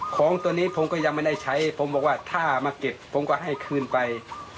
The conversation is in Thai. ของตัวนี้ผมก็ยังไม่ได้ใช้ผมบอกว่าถ้ามาเก็บผมก็ให้คืนไป